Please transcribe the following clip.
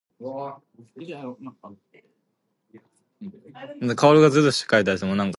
This is a big part of why offensive lineman Justin Boren left the team.